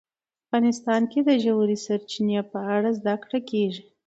افغانستان کې د ژورې سرچینې په اړه زده کړه کېږي.